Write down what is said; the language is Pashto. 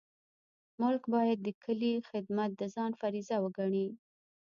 ملک باید د کلي خدمت د ځان فریضه وګڼي.